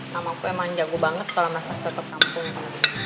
namaku emang jago banget kalau masak soto kampung